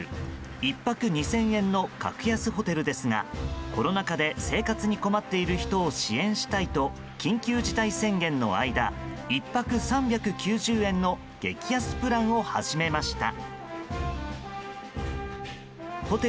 １泊２０００円の格安ホテルですがコロナ禍で生活に困っている人を支援したいと緊急事態宣言の間１泊３９０円の激安プランを始めました。